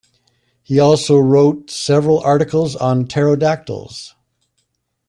He also wrote several articles on pterodactyls.